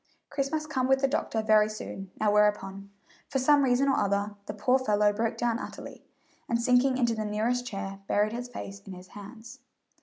Chris must come with the doctor very soon now whereupon, for some reason or other, the poor fellow broke down utterly, and sinking into the nearest chair, buried his face in his hands.